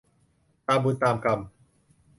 ตามบุญตามกรรม